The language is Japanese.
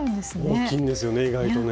大きいんですよね意外とね。